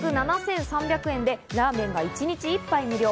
月額７３００円でラーメンが一日１杯無料。